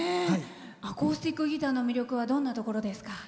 アコースティックギターの魅力はどんなところですか？